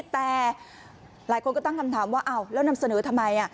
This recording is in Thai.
แต่หลายคนก็ตั้งคำถามว่าอ้าวแล้วนำเสนอทำไม